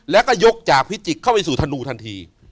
แล้วก็ยกจากพิจิกษเข้าไปสู่ธนูทันที